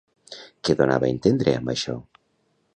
Què donava entendre amb això?